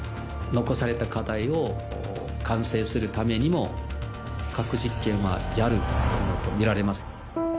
残された課題を完成するためにも、核実験はやるものと見られます。